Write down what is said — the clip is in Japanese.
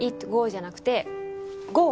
じゃなくてＧｏ！